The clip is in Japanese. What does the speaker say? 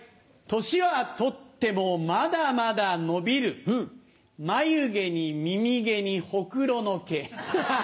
年はとってもまだまだ伸びる眉毛に耳毛にホクロの毛。